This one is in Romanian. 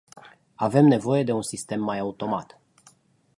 Avem nevoie de un sistem mai automat.